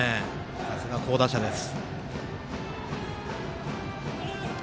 さすが、好打者です。